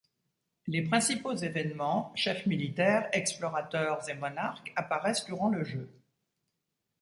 Les principaux événements, chefs militaires, explorateurs et monarques apparaissent durant le jeu.